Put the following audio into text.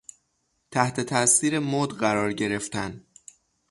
تحت تاثیر مد قرار گرفتن